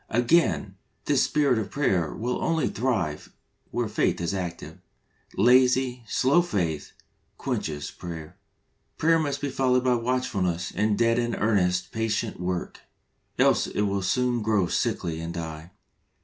Again, this spirit of prayer will only thrive where faith is active. Lazy, slow faith, quenches prayer. Prayer must be followed by watchfulness and dead in earnest, patient work, else, it will soon grow sickly and die.